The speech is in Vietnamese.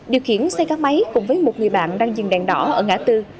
điều khiển xe gắn máy cùng với một người bạn đang dừng đèn đỏ ở ngã tư